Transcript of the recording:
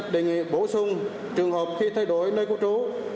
đề nghị bổ sung trường hợp khi thay đổi nơi cư trú